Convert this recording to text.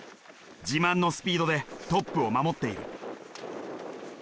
自慢のスピードでトップを守っている。